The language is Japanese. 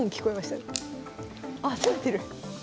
あっ攻めてる！